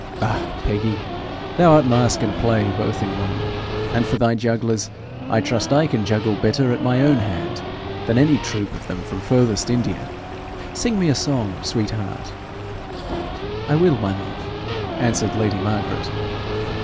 'Puh, Peggy! thou art masque and play both in one; and for thy jugglers, I trust I can juggle better at my own hand than any troop of them from furthest India. Sing me a song, sweet heart.' 'I will, my love,' answered lady Margaret.